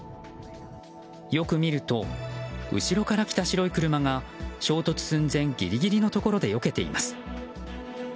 よく見ると後ろから来た白い車が衝突寸前ギリギリのところでよけています。